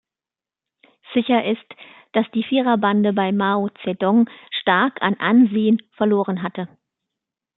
Sicher ist, dass die Viererbande bei Mao Zedong stark an Ansehen verloren hatte.